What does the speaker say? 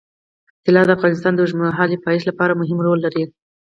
طلا د افغانستان د اوږدمهاله پایښت لپاره مهم رول لري.